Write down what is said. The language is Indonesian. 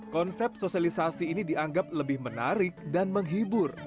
konsep sosialisasi ini dianggap lebih menarik dan menghibur